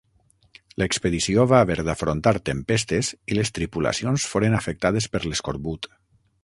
L'expedició va haver d'afrontar tempestes i les tripulacions foren afectades per l'escorbut.